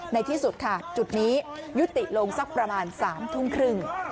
ในที่สุดค่ะจุดนี้ยุติลงสักประมาณ๓ทุ่มครึ่ง